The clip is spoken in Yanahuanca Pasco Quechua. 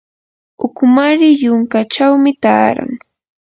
ukumari yunkachawmi taaran.